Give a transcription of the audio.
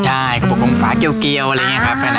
ใช่กระปุกกลมฝาเกี่ยวอะไรอย่างนี้ครับ